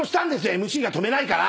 ＭＣが止めないから。